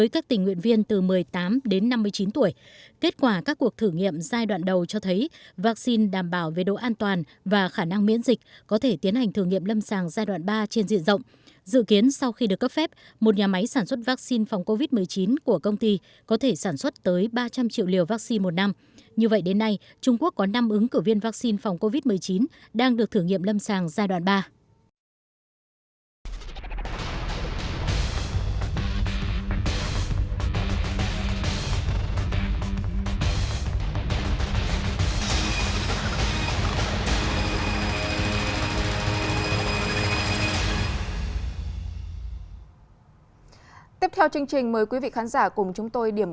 công ty có kế hoạch tuyển tới hai mươi chín tình nguyện viên từ một mươi tám tuổi trở lên tham gia vào các cuộc thử nghiệm